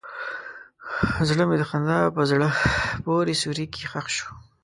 زړه مې د خندا په زړه پورې سیوري کې ښخ شو.